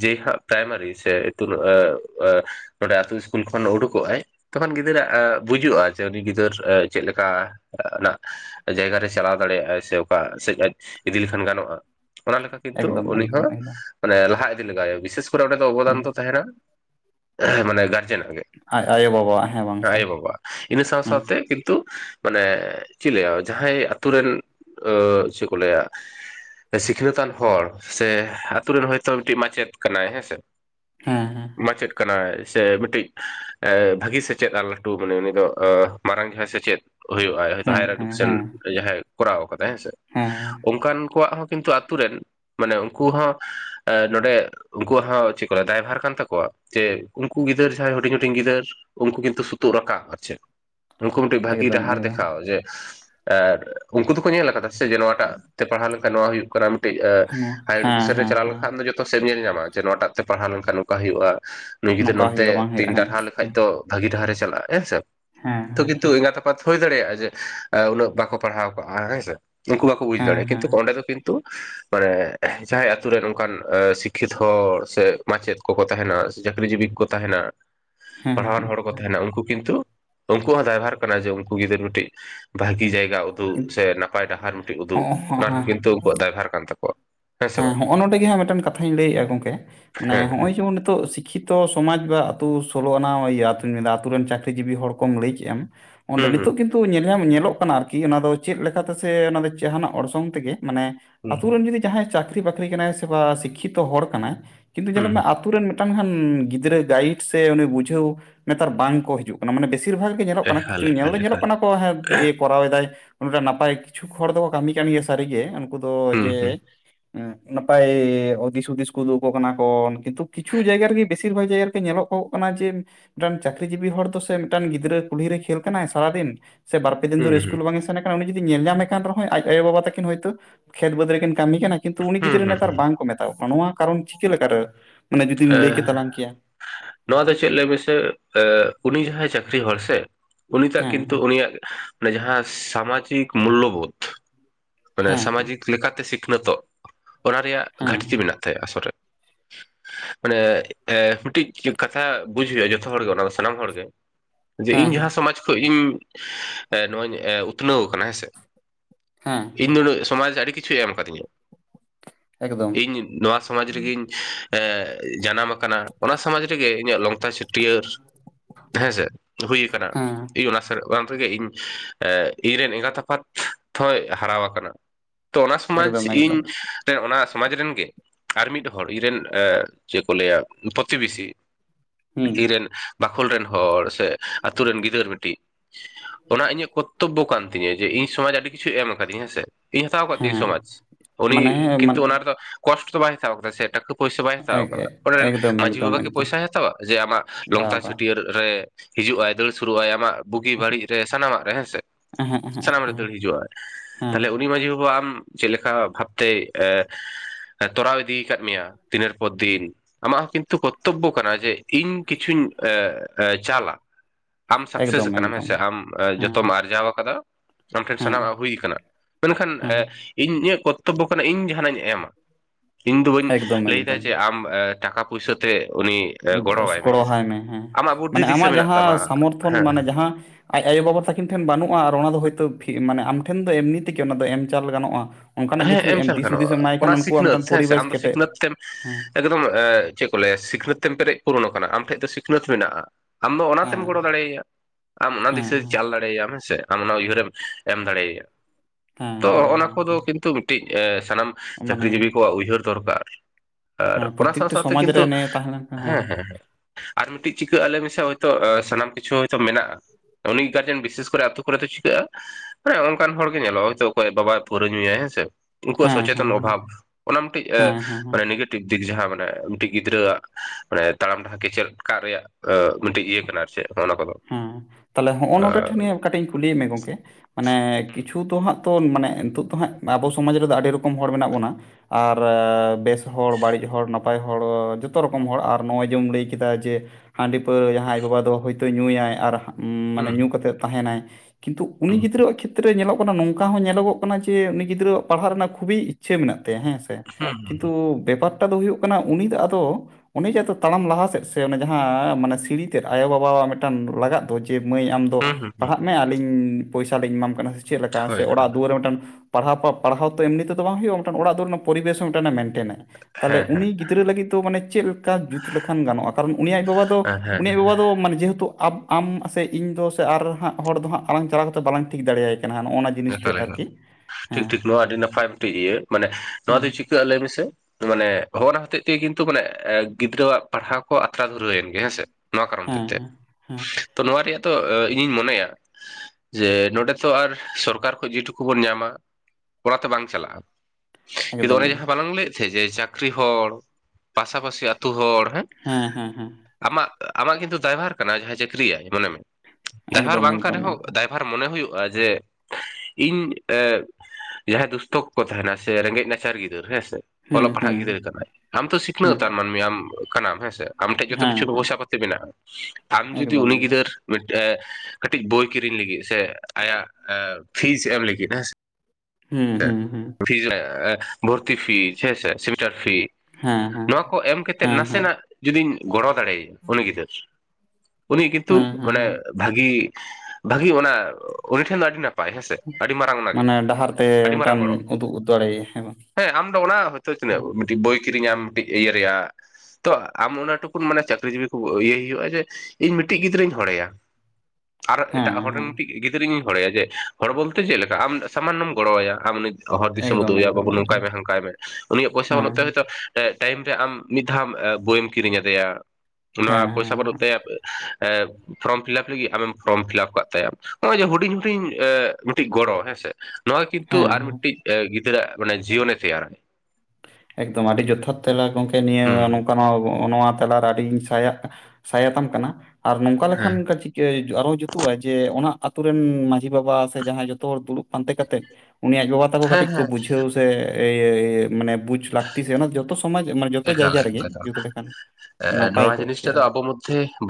Speaker 1: ᱡᱮ ᱦᱟᱸᱜ ᱯᱨᱟᱭᱢᱟᱨᱤ ᱥᱮ ᱮᱛᱩᱱ *unintelligible* ᱱᱚᱰᱮ ᱟᱛᱩ ᱤᱥᱠᱤᱞ ᱠᱷᱚᱱ ᱩᱰᱩᱠᱚᱜ-ᱟ, ᱛᱚᱠᱷᱚᱱ ᱜᱤᱫᱟᱹᱨ ᱟᱜ ᱵᱩᱡᱩᱜ-ᱟ ᱡᱮ ᱩᱱᱤ ᱜᱤᱫᱟᱹᱨ ᱪᱮᱫ ᱞᱮᱠᱟ ᱵᱮᱱᱟᱜ-ᱟ ᱱᱟᱜ ᱾ ᱚᱠᱟ ᱡᱟᱭᱜᱟᱨᱮᱭ ᱪᱟᱞᱟᱣ ᱫᱟᱲᱮᱭᱟᱜ-ᱟᱭ ᱥᱮ ᱚᱠᱟ ᱥᱮᱫ ᱟᱡ ᱤᱫᱤ ᱞᱮᱠᱷᱟᱱ ᱜᱟᱱᱚᱜ-ᱟ᱾ ᱚᱱᱟ ᱞᱮᱠᱟ ᱠᱤᱱᱛᱩ
Speaker 2: ᱮᱠᱫᱚᱢ
Speaker 1: ᱩᱱᱤ
Speaker 2: ᱮᱠᱫᱚᱢ
Speaker 1: ᱦᱚᱸ
Speaker 2: ᱮᱠᱫᱚᱢ
Speaker 1: ᱢᱟᱱᱮ ᱞᱟᱦᱟ ᱤᱫᱤ ᱞᱟᱜᱟᱭᱟ, ᱵᱤᱥᱮᱥ ᱠᱚᱨᱮ ᱚᱸᱰᱮ ᱫᱚ ᱚᱵᱚᱫᱟᱱ
Speaker 2: ᱦᱮᱸ
Speaker 1: ᱫᱚ ᱛᱟᱦᱮᱱᱟ ᱢᱟᱱᱮ ᱜᱟᱨᱡᱮᱱ ᱟᱜ ᱜᱮ
Speaker 2: ᱟᱡ ᱟᱭᱳ ᱵᱟᱵᱟᱣᱟᱜ ᱦᱮᱸ ᱵᱟᱝ ᱥᱮ
Speaker 1: ᱟᱭᱳ ᱵᱟᱵᱟᱣᱟᱜ, ᱤᱱᱟᱹ ᱥᱟᱶ
Speaker 2: ᱦᱮᱸ
Speaker 1: ᱥᱟᱶᱛᱮ ᱠᱤᱱᱛᱩ ᱢᱟᱱᱮ ᱪᱮᱫ ᱞᱟᱹᱭᱟ, ᱡᱟᱦᱟᱸᱭ ᱟᱛᱳ ᱨᱮᱱ ᱪᱮᱫ ᱠᱚ ᱞᱟᱹᱭᱟ ᱥᱤᱠᱷᱱᱟᱹᱛᱟᱱ ᱦᱚᱲ ᱥᱮ ᱟᱛᱳ ᱨᱮᱱ ᱦᱚᱭᱛᱳ ᱢᱤᱫᱴᱤᱡ ᱢᱟᱪᱮᱫ ᱠᱟᱱᱟᱭ ᱦᱮᱸᱥᱮ
Speaker 2: ᱦᱮᱸ ᱦᱮᱸ
Speaker 1: ᱢᱟᱪᱮᱫ ᱠᱟᱱᱟᱭ ᱥᱮ ᱢᱤᱫᱴᱤᱡ ᱵᱷᱟᱹᱜᱤ ᱥᱮᱪᱮᱫᱟᱱ ᱞᱟᱹᱴᱩ ᱢᱟᱱᱮ ᱩᱱᱤ ᱫᱚ ᱢᱟᱨᱟᱝ ᱡᱟᱦᱟᱸᱭ ᱥᱮᱪᱮᱫ ᱦᱩᱭᱩᱜ-ᱟᱭ, ᱦᱚᱭᱛᱚ
Speaker 2: ᱦᱮᱸ
Speaker 1: ᱦᱟᱭᱟᱨ ᱮᱰᱩᱠᱮᱥᱚᱱ
Speaker 2: ᱦᱮᱸ
Speaker 1: ᱡᱟᱦᱟᱸᱭ ᱠᱚᱨᱟᱣ ᱟᱠᱟᱫᱟᱭ ᱦᱮᱸᱥᱮ,
Speaker 2: ᱦᱮᱸ
Speaker 1: ᱚᱱᱠᱟᱱ ᱠᱚᱣᱟᱜ ᱦᱚᱸ ᱠᱤᱱᱛᱩ ᱟᱛᱳ ᱨᱮᱱ ᱢᱟᱱᱮ ᱩᱱᱠᱩ ᱦᱚᱸ ᱱᱚᱸᱰᱮ ᱩᱱᱠᱩᱣᱟᱜ ᱦᱚᱸ ᱪᱮᱫ ᱠᱚ ᱞᱟᱹᱭᱟ ᱫᱟᱭᱵᱷᱟᱨ ᱠᱟᱱ ᱛᱟᱠᱚᱣᱟ᱾ ᱡᱮ ᱩᱱᱠᱩ ᱜᱤᱫᱟᱹᱨ ᱡᱟᱦᱟᱸᱭ ᱦᱩᱰᱤᱧ ᱦᱩᱰᱤᱧ ᱜᱤᱫᱟᱹᱨ ᱩᱱᱠᱩ ᱠᱤᱱᱛᱩ ᱥᱩᱛᱩᱜ ᱨᱟᱠᱟᱵ ᱟᱨ ᱪᱮᱫ ᱱᱩᱠᱩ ᱢᱩᱴᱤᱡ ᱵᱷᱟᱹᱜᱤ
Speaker 2: ᱮᱠᱫᱚᱢ
Speaker 1: ᱰᱟᱦᱟᱨ
Speaker 2: ᱮᱠᱫᱚᱢ
Speaker 1: ᱫᱮᱠᱷᱟᱣ ᱡᱮ ᱟᱨ, ᱩᱱᱠᱩ ᱫᱚᱠᱚ ᱧᱮᱞ ᱠᱟᱫᱟ ᱥᱮ ᱱᱚᱣᱟᱴᱟᱜ ᱛᱮ ᱯᱟᱲᱦᱟᱣ ᱞᱮᱠᱷᱟᱱ ᱱᱚᱣᱟ ᱦᱩᱭᱩᱜ ᱠᱟᱱᱟ᱾ ᱴᱤᱡ
Speaker 2: ᱱᱚᱣᱟ
Speaker 1: ᱦᱟᱭᱟᱨ
Speaker 2: ᱦᱮᱸ
Speaker 1: ᱮᱰᱩᱠᱮᱥᱚᱱ ᱨᱮ
Speaker 2: ᱦᱮᱸ
Speaker 1: ᱪᱟᱞᱟᱣ *unintelligible* ᱦᱟᱭᱟᱨ ᱮᱰᱩᱠᱮᱥᱟᱱ ᱨᱮ ᱪᱟᱞᱟᱣ
Speaker 2: ᱦᱮᱸ
Speaker 1: ᱞᱮᱱᱠᱷᱟᱱ ᱫᱚ ᱡᱚᱛᱚ ᱥᱮᱫ ᱧᱮᱞ ᱧᱟᱢᱟ ᱡᱮ ᱱᱚᱣᱟ ᱴᱟᱜ ᱛᱮ ᱯᱟᱲᱦᱟᱣ ᱞᱮᱱᱠᱷᱟᱱ ᱱᱚᱝᱠᱟ ᱦᱩᱭᱩᱜ-ᱟ᱾ ᱱᱩᱭ ᱜᱤᱫᱟᱹᱨ
Speaker 2: ᱱᱚᱝᱠᱟ
Speaker 1: ᱱᱚᱱᱛᱮ
Speaker 2: ᱦᱩᱭᱩᱜᱼᱟ ᱵᱟᱝ
Speaker 1: ᱛᱤᱧ
Speaker 2: ᱦᱩᱭᱩᱜᱼᱟ ᱦᱮᱸ
Speaker 1: ᱰᱟᱨᱦᱟᱣ ᱞᱮᱠᱷᱟᱡ ᱫᱚ ᱵᱷᱟᱜᱤ ᱰᱟᱦᱟᱨᱮ ᱪᱟᱞᱟᱜ-ᱟ, ᱦᱮᱸᱥᱮ
Speaker 2: ᱦᱮᱸ ᱦᱮᱸ
Speaker 1: ᱛᱚ
Speaker 2: ᱦᱮᱸ
Speaker 1: ᱠᱤᱱᱛᱩ ᱮᱸᱜᱟᱛ ᱟᱯᱟᱛ ᱦᱩᱭ ᱫᱟᱲᱮᱭᱟᱜ-ᱟ ᱡᱮ ᱩᱱᱟᱹᱜ ᱵᱟᱠᱚ ᱯᱟᱲᱦᱟᱣ ᱠᱟᱜ-ᱟ ᱦᱮᱸᱥᱮ ᱩᱱᱠᱩ ᱵᱟᱠᱚ ᱵᱩᱡ
Speaker 2: ᱦᱮᱸ
Speaker 1: ᱫᱟᱲᱮᱭᱟᱜ-ᱟ ᱠᱤᱱᱛᱩ
Speaker 2: ᱦᱮᱸ
Speaker 1: ᱚᱸᱰᱮ ᱫᱚ ᱠᱤᱱ ᱛᱚ ᱾ ᱢᱟᱱᱮ ᱡᱟᱦᱟᱸᱭ ᱟᱛᱩ ᱨᱮᱱ ᱚᱱᱠᱟᱱ ᱥᱤᱠᱷᱤᱛ ᱦᱚᱲ ᱥᱮ ᱢᱟᱪᱮᱫ ᱠᱚᱠᱚ ᱛᱟᱦᱮᱸᱱᱟ ᱪᱟᱹᱠᱨᱤ ᱡᱤᱵᱤ ᱠᱚᱠᱚ ᱛᱟᱦᱮᱱᱟ
Speaker 2: ᱦᱮᱸ
Speaker 1: ᱯᱟᱲᱦᱟᱣ ᱟᱱ ᱦᱚᱲ ᱠᱚ ᱛᱟᱦᱮᱱᱟ ᱩᱱᱠᱩ ᱠᱤᱱᱛᱩ ᱩᱱᱠᱩ ᱦᱚᱸ ᱫᱟᱭᱵᱷᱟᱨ ᱠᱟᱱᱟ, ᱡᱮ ᱩᱱᱠᱩ ᱜᱤᱫᱨᱟᱹᱨ ᱢᱤᱫᱴᱤᱡ ᱵᱷᱟᱜᱤ ᱡᱟᱭᱜᱟ ᱩᱫᱩᱜ ᱥᱮ ᱱᱟᱯᱟᱭ ᱰᱟᱦᱟᱨ ᱢᱤᱫᱴᱮᱡ ᱩᱫᱩᱜ
Speaker 2: ᱦᱮᱸ
Speaker 1: ᱚᱱᱟ ᱦᱚᱸ
Speaker 2: ᱦᱮᱸ
Speaker 1: ᱠᱤᱱᱛᱩ ᱩᱱᱠᱩᱣᱟᱜ ᱫᱟᱭᱵᱷᱟᱨ ᱠᱟᱱ ᱛᱟᱠᱚᱣᱟ ᱾
Speaker 2: ᱦᱮᱸ ᱦᱚᱜ-ᱚᱭ ᱱᱚᱰᱮ ᱜᱮ ᱢᱤᱫᱴᱟᱝ ᱠᱟᱛᱷᱟᱧ ᱞᱟᱹᱭ ᱮᱫ-ᱟ ᱜᱚᱝᱠᱮ ᱢᱟᱱᱮ
Speaker 1: ᱦᱮᱸ
Speaker 2: ᱱᱚᱜ-ᱚᱭ ᱡᱮᱢᱚᱱ ᱱᱤᱛᱚᱜ ᱥᱤᱠᱠᱷᱤᱛᱚ ᱥᱚᱢᱟᱡᱽ ᱵᱟ ᱟᱛᱳ ᱥᱳᱞᱳ ᱟᱱᱟ ᱤᱭᱟᱹ ᱟᱛᱳᱧ ᱢᱮᱱᱫᱟ ᱟᱛᱩ ᱨᱮᱱ ᱪᱟᱹᱠᱨᱤ ᱡᱤᱵᱤ ᱦᱚᱲ ᱠᱚᱢ ᱞᱟᱹᱭ ᱠᱮᱫ ᱮᱢ ᱚᱸᱰᱮ
Speaker 1: ᱦᱩᱸ
Speaker 2: ᱱᱤᱛᱳᱜ ᱠᱤᱱᱛᱩ ᱧᱮᱞ ᱧᱟᱢ ᱧᱮᱞᱚᱜ ᱠᱟᱱᱟ ᱟᱨᱠᱤ ᱠᱤ ᱚᱱᱟ ᱫᱚ ᱪᱮᱫ ᱞᱮᱠᱟᱛᱮ ᱥᱮ ᱚᱱᱟ ᱫᱚ ᱡᱟᱦᱟᱱᱟᱜ ᱚᱨᱥᱚᱝ ᱛᱮᱜᱮ, ᱢᱟᱱᱮ
Speaker 1: ᱦᱩᱸ
Speaker 2: ᱟᱛᱳ
Speaker 1: ᱦᱩᱸ
Speaker 2: ᱨᱮᱱ ᱡᱩᱫᱤ ᱡᱟᱦᱟᱸᱭ ᱪᱟᱹᱠᱨᱤ-ᱵᱟᱹᱠᱨᱤ ᱠᱟᱱᱟᱭ ᱥᱮ ᱵᱟ ᱥᱤᱠᱷᱤᱛᱚ ᱦᱚᱲ ᱠᱟᱱᱟᱭ ᱠᱤᱱᱛᱩ
Speaker 1: ᱦᱩᱸ
Speaker 2: ᱧᱮᱞᱚᱜ ᱢᱮ
Speaker 1: ᱦᱩᱸ
Speaker 2: ᱟᱛᱳ ᱨᱮᱱ ᱢᱤᱫᱟᱝ ᱜᱟᱱ ᱜᱤᱫᱽᱨᱟᱹ ᱜᱟᱭᱤᱰ ᱥᱮ ᱩᱱᱤ ᱵᱩᱡᱷᱟᱹᱣ ᱱᱮᱛᱟᱨ ᱵᱟᱝ ᱠᱚ ᱦᱤᱡᱩᱜ ᱠᱟᱱᱟ ᱢᱟᱱᱮ ᱵᱮᱥᱤᱨ ᱵᱷᱟᱜᱽ ᱜᱮ ᱧᱮᱞᱚᱜ ᱠᱟᱱᱟ
Speaker 1: ᱮᱠᱟᱞ
Speaker 2: ᱠᱤᱪᱷᱩ ᱧᱮᱞ
Speaker 1: ᱮᱠᱟᱞ
Speaker 2: ᱫᱚ ᱧᱮᱞᱚᱜ
Speaker 1: ᱮᱠᱟᱞ
Speaker 2: ᱠᱟᱱᱟ ᱠᱚ ᱦᱮᱸᱭ ᱠᱚᱨᱟᱣ ᱮᱫᱟᱭ, ᱩᱱᱟᱹᱴᱟᱜ ᱱᱟᱯᱟᱭ ᱠᱤᱪᱷᱩ ᱦᱚᱲ ᱫᱚᱠᱚ ᱠᱟᱹᱢᱤ ᱠᱟᱱ ᱜᱮᱭᱟ ᱥᱟᱹᱨᱤᱜᱮ ᱩᱱᱠᱩ ᱫᱚ
Speaker 1: ᱦᱩᱸ ᱦᱩᱸ
Speaker 2: ᱡᱮ ᱱᱟᱯᱟᱭ ᱦᱩᱫᱤᱥ ᱦᱩᱫᱤᱥ ᱠᱚ ᱩᱫᱩᱜᱩ ᱟᱠᱚ ᱠᱟᱱᱟ ᱠᱚ ᱠᱤᱱᱛᱩ ᱠᱤᱪᱷᱩ ᱡᱟᱭᱜᱟ ᱨᱮᱜᱮ ᱵᱮᱥᱤ ᱵᱤᱥᱤᱨ ᱵᱷᱟᱜᱽ ᱡᱟᱭᱜᱟ ᱨᱮᱜᱮ ᱧᱮᱞᱚᱜᱚᱜ ᱠᱟᱱᱟ ᱡᱮ ᱢᱤᱫᱴᱟᱱ ᱪᱟᱹᱠᱨᱤ ᱡᱤᱵᱤ ᱦᱚᱲ ᱫᱚ ᱥᱮ ᱢᱤᱫᱴᱟᱱ ᱜᱤᱫᱽᱨᱟᱹ ᱠᱩᱞᱦᱤ ᱨᱮ ᱠᱷᱮᱞ ᱠᱟᱱᱟᱭ ᱥᱟᱨᱟᱫᱤᱱ ᱥᱮ ᱵᱟᱨ ᱯᱮ ᱫᱤᱱ
Speaker 1: ᱦᱩᱸ
Speaker 2: ᱫᱷᱚᱨᱮ
Speaker 1: ᱦᱩᱸ
Speaker 2: ᱤᱥᱠᱩᱞ ᱵᱟᱝ ᱮ ᱩᱱᱤ ᱡᱩᱫᱤ ᱧᱮᱞ ᱧᱟᱢᱮ ᱠᱟᱱ ᱨᱮᱦᱚᱸ ᱟᱡ ᱟᱭᱳᱼᱵᱟᱵᱟ ᱛᱟᱹᱠᱤᱱ ᱦᱚᱭ ᱛᱳ ᱠᱷᱮᱛ ᱵᱟᱹᱫᱽ ᱨᱮᱠᱤᱱ ᱠᱟᱹᱢᱤ ᱠᱟᱱᱟ ᱠᱤᱱᱛᱩ ᱩᱱᱤ
Speaker 1: ᱦᱩᱸ
Speaker 2: ᱜᱤᱫᱽᱨᱟᱹ
Speaker 1: ᱦᱩᱸ
Speaker 2: ᱱᱮᱛᱟᱨ
Speaker 1: ᱦᱩᱸ
Speaker 2: ᱵᱟᱝ ᱠᱚ ᱢᱮᱛᱟᱣ ᱠᱚ ᱠᱟᱱᱟ ᱱᱚᱣᱟ ᱠᱟᱨᱚᱱ ᱪᱤᱠᱟᱹ ᱞᱮᱠᱟᱨᱮ ᱢᱟᱱᱮ
Speaker 1: ᱮ
Speaker 2: ᱡᱩᱫᱤᱢ ᱞᱟᱹᱭ ᱠᱮ ᱛᱟᱞᱟᱝ ᱠᱮᱭᱟ ᱾
Speaker 1: ᱱᱚᱣᱟ ᱫᱚ ᱪᱮᱫ ᱞᱟᱹᱭ ᱢᱮᱥᱮ, ᱮᱸ ᱩᱱᱤ ᱡᱟᱦᱟᱸᱭ ᱪᱟᱹᱠᱨᱤ ᱦᱚᱲ ᱥᱮ ᱩᱱᱤᱴᱟᱜ
Speaker 2: ᱦᱮᱸ
Speaker 1: ᱠᱤᱱᱛᱩ
Speaker 2: ᱦᱮᱸ
Speaker 1: ᱩᱱᱤᱭᱟᱜ ᱚᱱᱮ ᱡᱟᱦᱟᱸ ᱥᱟᱢᱟᱡᱤᱠ ᱢᱩᱞᱞᱳᱵᱳᱫᱷ᱾ ᱢᱟᱱᱮ
Speaker 2: ᱦᱮᱸ
Speaker 1: ᱥᱟᱢᱟᱡᱤᱠ ᱞᱮᱠᱟᱛᱮ ᱥᱤᱠᱷᱱᱟᱹᱛᱚᱜ ᱚᱱᱟ ᱨᱮᱭᱟᱜ
Speaker 2: ᱦᱮᱸ ᱦᱮᱸ
Speaker 1: ᱜᱷᱟᱴᱛᱤ ᱢᱮᱱᱟᱜ ᱛᱟᱭᱟ ᱟᱥᱚᱞ ᱨᱮ᱾ ᱢᱟᱱᱮ ᱮᱸ ᱢᱤᱫᱴᱤᱡ ᱠᱟᱛᱷᱟ ᱵᱩᱡ ᱦᱩᱭᱩᱜᱼᱟ ᱡᱚᱛᱚ ᱦᱚᱲᱜᱮ ᱚᱱᱟ ᱫᱚ ᱥᱟᱱᱟᱢ ᱦᱚᱲᱜᱮ ᱾ ᱡᱮ
Speaker 2: ᱦᱮᱸ
Speaker 1: ᱤᱧ
Speaker 2: ᱦᱮᱸ
Speaker 1: ᱡᱟᱦᱟᱸ ᱥᱚᱢᱟᱡᱽ ᱠᱷᱚᱡ ᱤᱧ ᱮᱸ ᱱᱚᱣᱟᱧ ᱩᱛᱱᱟᱹᱣ ᱠᱟᱱᱟ ᱦᱮᱸᱥ
Speaker 2: ᱦᱮᱸ᱾
Speaker 1: ᱤᱧ ᱫᱚ ᱱᱩᱭ ᱥᱚᱢᱟᱡᱽ ᱟᱹᱰᱤ ᱠᱤᱪᱷᱩᱭ ᱮᱢ ᱠᱟᱫᱤᱧᱟᱭ,
Speaker 2: ᱮᱠᱫᱚᱢ
Speaker 1: ᱤᱧ ᱱᱚᱣᱟ ᱥᱚᱢᱟᱡᱽ ᱨᱤᱜᱤᱧ ᱮ ᱡᱟᱱᱟᱢ ᱟᱠᱟᱱᱟ ᱚᱱᱟ ᱥᱚᱢᱟᱡᱽ ᱨᱮᱜᱮ ᱤᱧᱟᱹᱜ ᱞᱚᱝᱛᱟ ᱪᱷᱟᱹᱴᱭᱟᱹᱨ ᱦᱮᱸᱥᱮ ᱦᱩᱭ ᱠᱟᱱᱟ,
Speaker 2: ᱦᱮᱸ
Speaker 1: ᱤᱧ ᱚᱱᱟ ᱥᱟᱨᱮᱜ ᱵᱟᱝ ᱨᱮᱜᱮ ᱤᱧ ᱤᱧ ᱨᱮᱱ ᱮᱸᱜᱟᱛ ᱟᱯᱟᱛ ᱛᱷᱚᱸᱭ ᱦᱟᱨᱟ ᱟᱠᱟᱱᱟ ᱾ ᱛᱚ ᱚᱱᱟ ᱥᱚᱢᱟᱡᱽ
Speaker 2: ᱮᱠᱫᱚᱢ
Speaker 1: ᱤᱧ
Speaker 2: ᱮᱠᱫᱚᱢ
Speaker 1: ᱚᱱᱟ ᱥᱚᱢᱟᱡᱽ ᱨᱮᱱ ᱜᱮ ᱟᱨ ᱢᱤᱫ ᱦᱚᱲ ᱤᱧ ᱨᱮᱱ ᱮᱸ ᱪᱮᱫ ᱠᱚ ᱞᱟᱹᱭᱟ, ᱯᱚᱛᱤᱵᱮᱥᱤ
Speaker 2: ᱦᱩᱸ
Speaker 1: ᱤᱧ ᱨᱮᱱ ᱵᱟᱠᱷᱳᱞ ᱨᱮᱱ ᱦᱚᱲ, ᱥᱮ ᱟᱛᱩ ᱨᱮᱱ ᱜᱤᱫᱟᱹᱨ ᱢᱤᱫᱴᱤᱡ ᱚᱱᱟ ᱤᱧᱟᱹᱜ ᱠᱚᱛᱛᱚᱵᱵᱚ ᱠᱟᱱ ᱛᱤᱧᱟᱹ ᱡᱮ ᱤᱧ ᱥᱚᱢᱟᱡᱽ ᱟᱹᱰᱤ ᱠᱤᱪᱷᱩᱭ ᱮᱢ ᱟᱠᱟᱫᱤᱧ ᱦᱮᱸᱥᱮ ᱾ ᱤᱧ ᱦᱟᱛᱟᱣ ᱟᱠᱟᱫ ᱛᱟᱹᱭᱟᱹᱧ
Speaker 2: ᱦᱮᱸ
Speaker 1: ᱥᱚᱢᱟᱡ ᱩᱱᱤ
Speaker 2: ᱢᱟᱱᱮ ᱢᱟᱱᱮ
Speaker 1: ᱠᱤᱱᱛᱩ ᱚᱱᱟ ᱨᱮᱫᱚ ᱠᱚᱥᱴᱚ ᱫᱚ ᱵᱟᱭ ᱦᱟᱛᱟᱣ ᱠᱟᱫᱟ ᱥᱮ, ᱴᱟᱹᱠᱟᱹᱵ ᱯᱚᱭᱥᱟ ᱵᱟᱭ ᱦᱟᱛᱟᱣ ᱟᱠᱟᱫᱼᱟ, ᱚᱸᱰᱮ ᱨᱮᱱ
Speaker 2: ᱮᱠᱫᱚᱢ
Speaker 1: ᱢᱟᱺᱡᱷᱤ
Speaker 2: ᱮᱠᱫᱚᱢ
Speaker 1: ᱵᱟᱵᱟ ᱠᱤ
Speaker 2: ᱮᱠᱫᱚᱢ
Speaker 1: ᱯᱚᱭᱥᱟᱭ ᱦᱟᱛᱟᱣᱟ ᱡᱮ ᱟᱢᱟᱜ
Speaker 2: ᱵᱟ
Speaker 1: ᱞᱚᱝᱛᱟ
Speaker 2: ᱵᱟ
Speaker 1: ᱪᱷᱟᱹᱴᱭᱟᱹᱨ ᱨᱮ ᱦᱤᱡᱩᱜ ᱟᱭ ᱫᱟᱹᱲ ᱥᱩᱨᱩᱜ ᱟᱭ, ᱟᱢᱟᱜ ᱵᱩᱜᱤ ᱵᱟᱹᱲᱤᱡ ᱨᱮ ᱥᱟᱱᱟᱢᱟᱜ ᱨᱮ ᱦᱮᱸᱥᱮ
Speaker 2: ᱦᱮᱸ ᱦᱮᱸ
Speaker 1: ᱥᱟᱱᱟᱢ ᱨᱮ
Speaker 2: ᱦᱮᱸ
Speaker 1: ᱫᱟᱹᱲ ᱦᱤᱡᱩᱜ ᱟᱭ ᱾
Speaker 2: ᱦᱮᱸ
Speaker 1: ᱛᱟᱦᱞᱮ ᱩᱱᱤ ᱢᱟᱺᱡᱷᱤ ᱵᱟᱵᱟ ᱟᱢ ᱪᱮᱫ ᱞᱮᱠᱟ ᱵᱷᱟᱵ ᱛᱮᱭ ᱛᱚᱨᱟᱣ ᱤᱫᱤᱭ ᱠᱟᱜ ᱢᱮᱭᱟ᱾ ᱫᱤᱱᱮᱨ ᱯᱚᱨ ᱫᱤᱱ᱾ ᱟᱢᱟᱜ ᱦᱚᱸ ᱠᱤᱱᱛᱩ ᱠᱚᱛᱛᱚᱵᱵᱚ ᱠᱟᱱᱟ ᱡᱮ ᱤᱧ ᱠᱤᱪᱷᱩᱧ ᱮᱸ ᱮᱸ ᱪᱟᱞᱟ ᱾ ᱟᱢ ᱥᱟᱠᱥᱮᱥ
Speaker 2: ᱮᱠᱫᱚᱢ
Speaker 1: ᱟᱠᱟᱱᱟᱢ
Speaker 2: ᱮᱠᱫᱚᱢ
Speaker 1: ᱦᱮᱸᱥᱮ ᱟᱢ
Speaker 2: ᱦᱮᱸ
Speaker 1: ᱡᱚᱛᱚᱢ ᱟᱨᱡᱟᱣ ᱟᱠᱟᱫᱟ ᱟᱢ ᱴᱷᱮᱱ
Speaker 2: ᱦᱮᱸ
Speaker 1: ᱥᱟᱱᱟᱢᱟᱜ ᱦᱩᱭ ᱠᱟᱱᱟ ᱢᱮᱱᱠᱷᱟᱱ
Speaker 2: ᱦᱮᱸ
Speaker 1: ᱤᱧ ᱤᱧᱟᱹᱜ ᱠᱚᱛᱛᱚᱵᱵᱚ ᱠᱟᱱᱟ ᱤᱧ ᱡᱟᱦᱟᱸᱱᱟᱜ ᱤᱧ ᱮᱢᱟ ᱤᱧ ᱫᱚ ᱵᱟᱹᱧ
Speaker 2: ᱮᱠᱫᱚᱢ
Speaker 1: ᱞᱟᱹᱭᱫᱟ
Speaker 2: ᱮᱠᱫᱚᱢ
Speaker 1: ᱡᱮ ᱟᱢ ᱮᱸ ᱴᱟᱠᱟ ᱯᱩᱭᱥᱟᱹ ᱛᱮ ᱩᱱᱤ
Speaker 2: ᱩᱱᱤ
Speaker 1: ᱜᱚᱲᱚᱣᱟᱭ
Speaker 2: *unintelligible* ᱜᱚᱲᱚ
Speaker 1: ᱦᱮᱸᱥᱮ
Speaker 2: ᱦᱟᱭ ᱢᱮ ᱦᱮᱸ
Speaker 1: ᱟᱢᱟᱜ ᱵᱩᱫᱽᱫᱷᱤ
Speaker 2: ᱢᱟᱱᱮ
Speaker 1: ᱫᱤᱥᱟᱹ
Speaker 2: ᱟᱢᱟᱜ
Speaker 1: ᱢᱮᱱᱟᱜ ᱛᱟᱢᱟ
Speaker 2: ᱡᱟᱦᱟᱸ ᱥᱟᱢᱚᱨᱛᱷᱚᱱ
Speaker 1: ᱦᱮᱸ
Speaker 2: ᱢᱟᱱᱮ ᱡᱟᱦᱟᱸ ᱟᱡ ᱟᱭᱳᱼᱵᱟᱵᱟ ᱛᱟᱹᱠᱤᱱ ᱴᱷᱮᱱ ᱵᱟᱹᱱᱩᱜᱼᱟ ᱟᱨ ᱚᱱᱟ ᱫᱚ ᱦᱚᱭᱛᱳ ᱯᱷᱤ ᱢᱟᱱᱮ ᱟᱢ ᱴᱷᱮᱱ ᱫᱚ ᱮᱢᱱᱤ ᱛᱮᱠᱤ ᱚᱱᱟ ᱫᱚ ᱮᱢ ᱪᱟᱞ ᱜᱟᱱᱚᱜᱼᱟ ᱾ ᱚᱱᱠᱟᱱᱟᱜ
Speaker 1: ᱦᱮᱸ
Speaker 2: ᱠᱤᱪᱷᱩ ᱮᱢ
Speaker 1: ᱪᱟᱞ
Speaker 2: ᱫᱤᱥ
Speaker 1: ᱜᱟᱱᱚᱜᱼᱟ
Speaker 2: ᱦᱩᱫᱤᱥ ᱮᱢ ᱮᱢᱟᱭ
Speaker 1: ᱚᱱᱟ
Speaker 2: ᱠᱷᱟᱱ ᱩᱱᱠᱩᱣᱟᱜ
Speaker 1: ᱥᱤᱠᱷᱱᱟᱹᱛ
Speaker 2: ᱢᱤᱫᱴᱟᱱ
Speaker 1: ᱦᱮᱸ ᱥᱮ
Speaker 2: ᱯᱚᱨᱤᱵᱮᱥ
Speaker 1: ᱟᱢ ᱫᱚ
Speaker 2: ᱠᱮᱴᱮᱡ
Speaker 1: ᱥᱤᱠᱷᱱᱟᱹᱛ ᱛᱮᱢ
Speaker 2: ᱦᱮᱸ ᱾
Speaker 1: ᱮᱠᱫᱚᱢ ᱮᱸ ᱪᱮᱫ ᱠᱚ ᱞᱟᱹᱭᱟ ᱥᱤᱠᱷᱱᱟᱹᱛ ᱛᱮᱢ ᱯᱮᱨᱮᱡ ᱯᱩᱨᱳᱱ ᱠᱟᱱᱟ ᱟᱢ ᱴᱷᱮᱡ ᱫᱚ ᱥᱤᱠᱷᱱᱟᱹᱛ ᱢᱮᱱᱟᱜᱼᱟ ᱟᱢ ᱫᱚ ᱚᱱᱟ ᱛᱮᱢ
Speaker 2: ᱦᱮᱸ
Speaker 1: ᱜᱚᱲᱚ ᱫᱟᱲᱮᱭᱟᱭᱟ ᱟᱢ ᱚᱱᱟ
Speaker 2: ᱦᱮᱸ
Speaker 1: ᱫᱤᱥᱟᱹ ᱪᱟᱞ ᱫᱟᱲᱮᱭᱟᱭᱟᱢ ᱦᱮᱸᱥᱮ ᱟᱢ ᱚᱱᱟ ᱩᱭᱦᱟᱹᱨ ᱮᱢ ᱮᱢ ᱫᱟᱲᱮᱭᱟᱭᱟ,
Speaker 2: ᱦᱮᱸ
Speaker 1: ᱛᱚ ᱦᱚᱜ-ᱚᱱᱟ
Speaker 2: ᱦᱮᱸ
Speaker 1: ᱠᱚᱫᱚ
Speaker 2: ᱦᱮᱸ
Speaker 1: ᱛᱚ ᱢᱤᱫᱴᱤᱡ ᱥᱟᱱᱟᱢ
Speaker 2: ᱢᱟᱱᱮ
Speaker 1: ᱪᱟᱹᱠᱨᱤ ᱡᱤᱵᱤ ᱠᱚᱣᱟᱜ ᱩᱭᱦᱟᱹᱨ ᱫᱚᱨᱠᱟᱨ ᱾ ᱟᱨ
Speaker 2: ᱦᱮᱸ
Speaker 1: ᱚᱱᱟ ᱥᱟᱶ
Speaker 2: ᱯᱨᱚᱛᱮᱠᱴᱤ
Speaker 1: ᱥᱟᱶᱛᱮ
Speaker 2: ᱥᱚᱢᱟᱡᱽ
Speaker 1: ᱠᱤᱱᱛᱩ,
Speaker 2: ᱨᱮ ᱱᱤᱭᱟᱹ ᱛᱟᱦᱮᱸ ᱞᱮᱱᱠᱷᱟᱱ
Speaker 1: ᱦᱮᱸ ᱦᱮᱸ ᱦᱮᱸ᱾ ᱟᱨ ᱢᱤᱫᱴᱤᱡ ᱪᱤᱠᱟᱹᱜᱼᱟ ᱞᱟᱹᱭ ᱢᱮᱥᱮ ᱦᱚᱭᱛᱳ ᱥᱟᱱᱟᱢ ᱠᱤᱪᱷᱩ ᱦᱚᱭᱛᱳ ᱢᱮᱱᱟᱜᱼᱟ᱾ ᱩᱱᱤ ᱜᱟᱨᱡᱮᱱ ᱵᱤᱥᱮᱥ ᱠᱚᱨᱮ ᱟᱹᱛᱳ ᱠᱚᱨᱮ ᱫᱚ ᱪᱤᱠᱟᱹᱜᱼᱟ ᱢᱟᱱᱮ ᱚᱱᱠᱟᱱ ᱦᱚᱲ ᱜᱮ ᱧᱮᱞᱚᱜᱼᱟ ᱦᱚᱭᱛᱳ ᱚᱠᱚᱭ ᱟᱡ ᱵᱟᱵᱟᱭ ᱯᱟᱹᱣᱨᱟᱹᱭ ᱧᱩᱭᱟᱭ ᱦᱮᱸ ᱥᱮ ᱩᱱᱠᱩᱣᱟᱜ
Speaker 2: ᱦᱮᱸ
Speaker 1: ᱥᱚᱪᱮᱛᱚᱱ
Speaker 2: ᱦᱮᱸ ᱦᱮᱸ
Speaker 1: ᱚᱵᱷᱟᱵ ᱚᱱᱟ ᱢᱤᱫᱴᱤᱡ ᱮᱸ
Speaker 2: ᱦᱮᱸ ᱦᱮᱸ
Speaker 1: ᱢᱟᱱᱮ ᱱᱮᱜᱮᱴᱼᱼ ᱴᱤᱠ ᱫᱤᱠ ᱡᱟᱦᱟᱸ ᱢᱟᱱᱮ ᱢᱤᱫᱴᱤᱡ ᱜᱤᱫᱽᱨᱟᱹᱣᱟᱜ ᱢᱟᱱᱮ ᱛᱟᱲᱟᱢ ᱰᱟᱦᱟ ᱠᱮᱪᱮᱫ ᱠᱟᱜ ᱨᱮᱭᱟᱜ ᱟᱸ ᱢᱤᱫᱴᱤᱡ ᱤᱭᱟᱹ ᱠᱟᱱᱟ ᱟᱨ ᱪᱮᱫ ᱚᱱᱟ ᱠᱚᱫᱚ᱾
Speaker 2: ᱦᱮᱸ ᱛᱟᱦᱚᱞᱮ ᱦᱚᱜᱼᱚ ᱱᱚᱸᱰᱮ ᱴᱷᱮᱱᱤ ᱟᱨ ᱠᱟᱹᱴᱤᱧ ᱠᱩᱞᱤᱭᱮᱫ ᱢᱮ ᱜᱚᱝᱠᱮ᱾ ᱢᱟᱱᱮ ᱠᱤᱪᱷᱩ ᱫᱚ ᱦᱟᱸᱜ ᱛᱚ ᱢᱟᱱᱮ ᱱᱤᱛᱚᱜ ᱫᱚ ᱦᱟᱸᱜ ᱟᱵᱚ ᱥᱚᱢᱟᱡᱽ ᱨᱮᱫᱚ ᱟᱹᱰᱤ ᱨᱚᱠᱚᱢ ᱦᱚᱲ ᱢᱮᱱᱟᱜ ᱵᱚᱱᱟ᱾ ᱟᱨ ᱵᱮᱥ ᱦᱚᱲ ᱵᱟᱹᱲᱤᱡ ᱦᱚᱲ ᱱᱟᱯᱼᱼ ᱱᱟᱯᱟᱭ ᱦᱚᱲ ᱡᱚᱛᱚ ᱨᱚᱠᱚᱢ ᱦᱚᱲ ᱟᱨ ᱱᱚᱜᱼᱚᱭ ᱡᱮᱢ ᱞᱟᱹᱭ ᱠᱮᱫᱟ ᱡᱮ ᱦᱟᱺᱰᱤ ᱯᱟᱹᱣᱨᱟᱹ ᱡᱟᱦᱟᱸᱭ ᱟᱡ ᱵᱟᱵᱟ ᱫᱚ ᱦᱚᱭ ᱛᱳ ᱧᱩᱭᱟᱭ ᱟᱨ ᱢᱟᱱᱮ
Speaker 1: ᱦᱩᱸ
Speaker 2: ᱧᱩ ᱠᱟᱛᱮᱫ ᱛᱟᱦᱮᱸᱱᱟᱭ ᱠᱤᱱᱛᱩ ᱩᱱᱤ
Speaker 1: ᱦᱩᱸ
Speaker 2: ᱜᱤᱫᱽᱨᱟᱹᱣᱟᱜ ᱠᱷᱮᱛᱨᱮ ᱧᱮᱞᱚᱜ ᱠᱚᱱᱟ ᱱᱚᱝᱠᱟ ᱦᱚᱸ ᱧᱮᱞᱚᱜᱚᱜ ᱠᱟᱱᱟ ᱡᱮ ᱩᱱᱤ ᱜᱤᱫᱽᱨᱟᱹᱣᱟᱜ ᱯᱟᱲᱦᱟᱜ ᱨᱮᱱᱟᱜ ᱠᱷᱩᱵᱤ ᱤᱪᱪᱷᱟᱹ ᱢᱮᱱᱟᱜ ᱛᱟᱭᱟ ᱦᱮᱸ ᱥᱮ᱾
Speaker 1: ᱦᱩᱸ
Speaker 2: ᱠᱤᱱᱛᱩ ᱵᱮᱯᱟᱨᱴᱟ ᱫᱚ ᱦᱩᱭᱩᱜ ᱠᱟᱱᱟ ᱩᱱᱤ ᱫᱚ ᱟᱫᱚ ᱩᱱᱤ ᱡᱮᱛᱚ ᱛᱟᱲᱟᱢ ᱞᱟᱦᱟ ᱥᱮᱫ ᱥᱮ ᱡᱟᱦᱟᱸ ᱢᱟᱱᱮ ᱥᱤᱲᱤ ᱛᱮᱫ ᱟᱭᱳᱼᱵᱟᱵᱟᱣᱟ ᱢᱤᱴᱼᱼ ᱴᱟᱹᱝ ᱞᱟᱜᱟᱜ ᱫᱚ ᱡᱮ ᱢᱟᱹᱭ ᱟᱢ ᱫᱚ
Speaker 1: ᱦᱩᱸ ᱦᱩᱸ ᱦᱩᱸ
Speaker 2: ᱯᱟᱲᱦᱟᱜ ᱢᱮ ᱟᱹᱞᱤᱧ ᱯᱚᱭᱥᱟ ᱞᱤᱧ ᱮᱢᱟᱢ ᱠᱟᱱᱟ᱾ ᱪᱮᱫ ᱞᱮᱠᱟ ᱥᱮ
Speaker 1: ᱦᱳᱭ ᱦᱳᱭ
Speaker 2: ᱚᱲᱟᱜ ᱫᱩᱣᱟᱹᱨ ᱨᱮ ᱢᱤᱫᱴᱟᱱ ᱯᱟᱲᱦᱟᱣ ᱯᱟᱼᱯᱟᱲᱦᱟᱣ ᱛᱚ ᱮᱢᱱᱤ ᱛᱮᱫᱚ ᱵᱟᱝ ᱦᱩᱭᱩᱜᱼᱟ ᱢᱤᱫᱴᱟᱹᱝ ᱚᱲᱟᱜ ᱫᱩᱣᱟᱹᱨ ᱨᱮᱱᱟᱜ ᱯᱚᱨᱤᱵᱮᱥ ᱦᱚᱸ ᱢᱤᱫᱴᱮᱱ ᱮ ᱢᱮᱱᱴᱮᱱᱟᱭ᱾
Speaker 1: ᱦᱮᱸ
Speaker 2: ᱛᱟᱦᱚᱞᱮ ᱩᱱᱤ ᱜᱤᱫᱽᱨᱟᱹ ᱞᱟᱹᱜᱤᱫ ᱫᱚ ᱢᱟᱱᱮ ᱪᱮᱫ ᱞᱮᱠᱟ ᱡᱩᱛ ᱞᱮᱠᱷᱟᱱ ᱜᱟᱱᱚᱜᱼᱟ ᱠᱟᱨᱚᱱ ᱩᱱᱤ ᱟᱡ ᱵᱟᱵᱟ ᱫᱚ
Speaker 1: ᱦᱮᱸ ᱦᱮᱸ
Speaker 2: ᱩᱱᱤ ᱟᱡ ᱵᱟᱵᱟ ᱫᱚ ᱢᱟᱱᱮ ᱡᱮᱦᱮᱛᱩ ᱟᱯ ᱟᱢ ᱥᱮ ᱤᱧ ᱫᱚ ᱥᱮ ᱟᱨ ᱦᱟᱸᱜ ᱦᱚᱲ ᱫᱚ ᱦᱟᱸᱜ ᱟᱞᱟᱝ ᱪᱟᱞᱟᱣ ᱠᱟᱛᱮᱡ ᱵᱟᱞᱟᱝ ᱴᱷᱤᱠ ᱫᱟᱲᱮᱟᱭ ᱠᱟᱱᱟ ᱱᱚᱜᱼᱱᱚᱣᱟ
Speaker 1: ᱮᱠᱟᱞ ᱮᱠᱟᱞ ᱴᱷᱤᱠ ᱴᱷᱤᱠ ᱱᱚᱣᱟ ᱟᱹᱰᱤ ᱱᱟᱯᱟᱭ ᱢᱤᱫᱴᱮᱡ ᱤᱭᱟᱹ ᱢᱟᱱᱮ ᱱᱚᱣᱟ
Speaker 2: ᱦᱩᱸ
Speaker 1: ᱫᱚ ᱪᱤᱠᱟᱹᱜᱼᱟ ᱞᱟᱹᱭ ᱢᱮᱥᱮ ᱢᱟᱱᱮ ᱦᱚᱲ ᱦᱚᱛᱮᱜ ᱛᱮᱜᱮ ᱠᱤᱱᱛᱩ ᱢᱟᱱᱮ ᱜᱤᱫᱽᱨᱟᱹᱣᱟᱜ ᱯᱟᱲᱦᱟᱣ ᱠᱚ ᱟᱛᱨᱟ ᱫᱷᱩᱨᱟᱹᱣᱮᱱ ᱜᱮ ᱦᱮᱸᱥᱮ ᱱᱚᱣᱟ ᱠᱟᱨᱚᱱ
Speaker 2: ᱦᱮᱸ
Speaker 1: ᱛᱮᱜᱼᱛᱮ
Speaker 2: ᱦᱮᱸ ᱦᱮᱸ
Speaker 1: ᱛᱚ ᱱᱚᱣᱟ ᱨᱮᱭᱟᱜ ᱫᱚ ᱤᱧᱤᱧ ᱢᱚᱱᱮᱭᱟ ᱡᱮ ᱱᱚᱰᱮ ᱛᱚ ᱟᱨ ᱥᱚᱨᱠᱟᱨ ᱠᱷᱚᱡ ᱡᱮᱴᱩᱠᱩ ᱵᱚᱱ ᱧᱟᱢᱟ ᱚᱱᱟᱛᱮ ᱵᱟᱝ ᱪᱟᱞᱟᱜᱼᱟ ᱠᱤᱱᱛᱩ ᱚᱱᱮ
Speaker 2: ᱮᱠᱫᱚᱢ
Speaker 1: ᱡᱟᱦᱟᱸ
Speaker 2: ᱮᱠᱫᱚᱢ
Speaker 1: ᱵᱟᱞᱟᱝ ᱞᱟᱹᱭᱮᱫ ᱪᱷᱮ ᱡᱮ ᱪᱟᱹᱠᱨᱤ ᱦᱚᱲ ᱯᱟᱥᱟᱯᱟᱹᱥᱤ ᱟᱹᱛᱳ ᱦᱚᱲ ᱦᱮᱸ
Speaker 2: ᱦᱮᱸ ᱦᱮᱸ ᱦᱮᱸ
Speaker 1: ᱟᱢᱟᱜ ᱟᱢᱟᱜ ᱠᱤᱱᱛᱩ ᱫᱟᱭᱵᱷᱟᱨ ᱠᱟᱱᱟ ᱡᱟᱦᱟᱸᱭ ᱪᱟᱹᱠᱨᱤᱭᱟᱭ ᱢᱟᱱᱮ ᱫᱟᱭᱵᱷᱟᱨ
Speaker 2: ᱮᱠᱫᱚᱢ
Speaker 1: ᱵᱟᱝ ᱠᱟᱱ
Speaker 2: ᱮᱠᱫᱚᱢ
Speaker 1: ᱨᱮᱦᱚᱸ
Speaker 2: ᱮᱠᱫᱚᱢ
Speaker 1: ᱟᱵᱷᱟᱨ ᱢᱚᱱᱮ ᱦᱩᱭᱩᱜᱼᱟ ᱡᱮ। ᱤᱧ ᱮ ᱡᱟᱦᱟᱸᱭ ᱫᱩᱥᱛᱚ ᱠᱚᱠᱚ ᱛᱟᱦᱮᱱᱟ ᱥᱮ ᱨᱮᱸᱜᱮᱡ ᱱᱟᱪᱟᱨ ᱜᱤᱫᱟᱹᱨ ᱦᱮᱸᱥᱮ
Speaker 2: ᱦᱩᱸ
Speaker 1: ᱚᱞᱚᱜ ᱯᱟᱲᱦᱟᱜ
Speaker 2: ᱦᱩᱸ
Speaker 1: ᱜᱤᱫᱽᱨᱟᱹ ᱠᱟᱱᱟᱭ ᱟᱢ ᱛᱚ
Speaker 2: ᱦᱩᱸ
Speaker 1: ᱥᱤᱠᱷᱱᱟᱹᱛ ᱟᱱ ᱢᱟᱹᱱᱢᱤ ᱟᱢ ᱠᱟᱱᱟᱢ ᱦᱮᱸᱥᱮ ᱟᱢ ᱴᱷᱮᱡ ᱡᱚᱛᱚ
Speaker 2: ᱦᱮᱸ
Speaker 1: ᱠᱤᱪᱷᱩ
Speaker 2: ᱦᱮᱸ
Speaker 1: ᱵᱮᱵᱚᱥᱟᱯᱟᱛᱮ ᱢᱮᱱᱟᱜᱼᱟ ᱟᱢ ᱡᱩᱫᱤ
Speaker 2: ᱮᱠᱫᱚᱢ
Speaker 1: ᱩᱱᱤ
Speaker 2: ᱮᱠᱫᱚᱢ
Speaker 1: ᱜᱤᱫᱟᱹᱨ ᱢᱤᱫ ᱮ ᱠᱟᱹᱴᱤᱡ ᱵᱳᱭ ᱠᱤᱨᱤᱧ ᱞᱟᱹᱜᱤᱫ ᱥᱮ ᱟᱭᱟᱜ ᱯᱷᱤᱥ ᱮᱢ ᱞᱟᱹᱜᱤᱫ ᱦᱮᱸᱥᱮ
Speaker 2: ᱦᱮᱸᱦᱮᱸ ᱦᱮᱸ
Speaker 1: *unintelligible* ᱵᱷᱩᱨᱛᱤ ᱯᱷᱤ ᱦᱮᱸ ᱥᱮ ᱥᱮᱸᱴᱟᱨ ᱯᱷᱤ
Speaker 2: ᱦᱮᱸ ᱦᱮᱸ ᱦᱮᱸ
Speaker 1: ᱱᱚᱣᱟ ᱠᱚ ᱮᱢ ᱠᱟᱛᱮᱫ
Speaker 2: ᱦᱮᱸ
Speaker 1: ᱱᱟᱥᱮᱱᱟᱜ ᱡᱩᱫᱤᱧ ᱜᱚᱲᱚ ᱫᱟᱲᱮᱭᱟ ᱩᱱᱤ ᱜᱤᱫᱟᱹᱨ ᱩᱱᱤ ᱠᱤᱱᱛᱩ
Speaker 2: ᱦᱮᱸ ᱦᱮᱸ
Speaker 1: ᱢᱟᱱᱮ
Speaker 2: ᱦᱮᱸ
Speaker 1: ᱵᱷᱟᱹᱜᱤ ᱵᱷᱟᱹᱜᱤ ᱚᱱᱟ ᱩᱱᱤ ᱴᱷᱮᱱ ᱫᱚ ᱟᱹᱰᱤ ᱱᱟᱯᱟᱭ ᱦᱮᱸᱥᱮ ᱟᱹᱰᱤ ᱢᱟᱨᱟᱝ ᱚᱱᱟᱜᱮ
Speaker 2: ᱢᱟᱱᱮ ᱰᱟᱦᱟᱨ ᱛᱮ
Speaker 1: ᱟᱹᱰᱤ ᱢᱟᱨᱟᱝ
Speaker 2: ᱢᱤᱫᱴᱟᱹᱝ
Speaker 1: ᱜᱚᱲᱚ
Speaker 2: ᱩᱫᱩᱜ ᱫᱟᱲᱮᱭᱟᱭ ᱦᱮᱸ ᱵᱟᱝ
Speaker 1: ᱦᱮᱸ ᱟᱢ ᱫᱚ ᱚᱱᱟ ᱦᱚᱭᱛᱳ ᱛᱤᱱᱟᱹᱜ ᱢᱤᱫᱴᱤᱡ ᱵᱳᱭ ᱠᱤᱨᱤᱧᱟᱢ ᱢᱤᱫᱴᱤᱡ ᱤᱭᱟᱹ ᱨᱮᱭᱟᱜ ᱛᱚ ᱟᱢ ᱚᱱᱟ ᱴᱩᱠᱩᱱ ᱢᱟᱱᱮ ᱪᱟᱹᱠᱨᱤ ᱡᱤᱣᱤ ᱠᱚ ᱤᱭᱟᱹᱭ ᱦᱩᱭᱩᱜᱼᱟ ᱡᱮ ᱤᱧ ᱢᱤᱫᱴᱤᱡ ᱜᱤᱫᱽᱨᱟᱹᱧ ᱦᱚᱲᱮᱭᱟ *inaudible* ᱟᱨ
Speaker 2: ᱦᱮᱸ
Speaker 1: ᱮᱴᱟᱜ ᱦᱚᱲ ᱨᱮᱱ
Speaker 2: ᱦᱮᱸ
Speaker 1: ᱢᱤᱫᱴᱤᱡ ᱜᱤᱫᱽᱨᱟᱹᱧ ᱦᱚᱲᱮᱭᱟ ᱡᱮ ᱦᱚᱲ ᱵᱚᱞᱛᱮ ᱪᱮᱫ ᱞᱮᱠᱟ ᱟᱢ ᱥᱟᱢᱟᱱᱚᱢ ᱜᱚᱲᱚᱭᱟ ᱟᱢ ᱩᱱᱤ ᱦᱚᱨ ᱫᱤᱥᱟᱹᱢ
Speaker 2: ᱮᱠᱫᱚᱢ
Speaker 1: ᱩᱫᱩᱜ ᱟᱭᱟ
Speaker 2: ᱮᱠᱫᱚᱢ
Speaker 1: ᱵᱟᱹᱵᱩ ᱱᱚᱝᱠᱟᱭ
Speaker 2: ᱮᱠᱫᱚᱢ
Speaker 1: ᱢᱮ ᱦᱟᱱᱠᱟᱭ ᱢᱮ ᱩᱱᱤᱭᱟᱜ ᱯᱚᱭᱥᱟ
Speaker 2: ᱦᱮᱸ
Speaker 1: ᱵᱟᱹᱱᱩᱜ ᱛᱮ ᱦᱚᱭᱛᱚ ᱮᱻ ᱴᱟᱭᱤᱢ ᱨᱮ ᱟᱢ ᱢᱤᱫ ᱫᱷᱟᱣ ᱵᱳᱭᱮᱢ ᱠᱤᱨᱤᱧ ᱟᱫᱮᱭᱟ ᱚᱱᱟ
Speaker 2: ᱦᱮᱸ
Speaker 1: ᱯᱚᱭᱥᱟ ᱵᱟᱹᱱᱩᱜ ᱛᱟᱭᱟ ᱮ ᱮ ᱯᱷᱨᱚᱢ ᱯᱷᱤᱞᱟᱯ ᱞᱟᱹᱜᱤᱫ ᱟᱢᱮᱢ ᱯᱷᱨᱚᱢ ᱯᱷᱤᱞᱟᱯ ᱠᱟᱜ ᱛᱟᱭᱟ ᱱᱚᱜᱼᱚᱭ ᱡᱮ ᱦᱩᱰᱤᱧ ᱦᱩᱰᱼᱼ ᱤᱧ ᱮ ᱢᱤᱫᱴᱤᱡ ᱜᱚᱲᱚ ᱦᱮᱸᱥᱮ ᱱᱚᱣᱟ ᱠᱤᱱᱛᱩ
Speaker 2: ᱦᱮᱸ
Speaker 1: ᱟᱨ
Speaker 2: ᱦᱮᱸ
Speaker 1: ᱢᱤᱫᱴᱤᱡ ᱮ ᱜᱤᱫᱽᱨᱟᱹᱣᱟᱜ ᱢᱟᱱᱮ ᱡᱤᱭᱚᱱᱮ ᱯᱷᱮᱭᱟᱨᱟ।
Speaker 2: ᱮᱠᱫᱚᱢ ᱟᱹᱰᱤ ᱡᱚᱛᱷᱟᱛ ᱛᱮᱞᱟ ᱜᱚᱢᱠᱮ
Speaker 1: ᱦᱩᱸ
Speaker 2: ᱱᱤᱭᱟᱹ ᱱᱚᱝᱠᱟᱱᱟᱜ ᱱᱚᱣᱟ ᱛᱟᱞᱟ ᱨᱮ ᱟᱹᱰᱤᱧ ᱥᱟᱭᱟᱜ ᱥᱟᱭᱟᱛᱟᱢ ᱠᱟᱱᱟ ᱟᱨ ᱱᱚᱝᱠᱟ ᱞᱮᱠᱷᱟᱱ
Speaker 1: ᱦᱮᱸ
Speaker 2: ᱠᱟᱹᱪᱤ ᱡᱮ ᱟᱨᱦᱚᱸ ᱡᱩᱛᱩᱜᱼᱟ ᱡᱮ ᱚᱱᱟ ᱟᱛᱩ ᱨᱮᱱ ᱢᱟᱺᱡᱷᱤ ᱵᱟᱵᱟ ᱥᱮ ᱡᱟᱦᱟᱸᱭ ᱡᱚᱛᱚ ᱦᱚᱲ ᱫᱩᱲᱩᱵ ᱯᱟᱱᱛᱮ ᱠᱟᱛᱮᱜ ᱩᱱᱤ ᱟᱡ ᱵᱟᱵᱟ ᱛᱟᱠᱚ
Speaker 1: ᱦᱮᱸ
Speaker 2: ᱠᱟᱹᱴᱤᱡ ᱠᱚ
Speaker 1: ᱦᱮᱸ
Speaker 2: ᱵᱩᱡᱷᱟᱹᱣ ᱥᱮ ᱤᱭᱟᱹ ᱢᱟᱱᱮ ᱵᱩᱡ ᱞᱟᱹᱠᱛᱤ ᱥᱮ ᱚᱱᱟ ᱡᱚᱛᱚ ᱥᱚᱢᱟᱡᱽ ᱢᱟᱱᱮ ᱡᱚᱛᱚ
Speaker 1: ᱮᱠᱟᱞ
Speaker 2: ᱡᱟᱭᱜᱟ
Speaker 1: ᱮᱠᱟᱞ
Speaker 2: ᱨᱮᱜᱮ
Speaker 1: ᱮᱠᱟᱞ
Speaker 2: ᱡᱩᱛ ᱞᱮᱠᱷᱟᱱ ᱱᱟᱯᱟᱭ ᱠᱚᱜ ᱠᱮᱭᱟ᱾
Speaker 1: ᱥᱮ ᱵᱟ